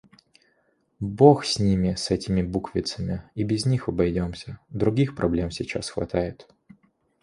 Бог с ними, с этими буквицами и без них обойдёмся. Других проблем сейчас хватает.